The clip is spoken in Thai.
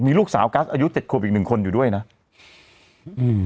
มีลูกสาวกัสอายุเจ็ดขวบอีกหนึ่งคนอยู่ด้วยนะอืม